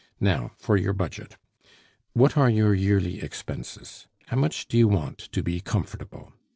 Now for your budget. What are your yearly expenses? How much do you want to be comfortable?